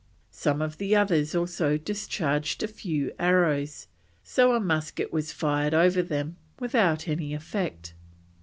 Some of the others also discharged a few arrows, so a musket was fired over them, without any effect.